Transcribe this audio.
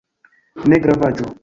Ne gravaĵo!